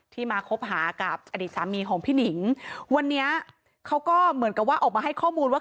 มาคบหากับอดีตสามีของพี่หนิงวันนี้เขาก็เหมือนกับว่าออกมาให้ข้อมูลว่า